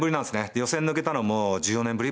で予選抜けたのも１４年ぶり。